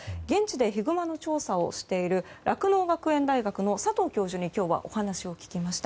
現地でヒグマの調査をしている酪農学園大学の佐藤教授に今日はお話を聞きました。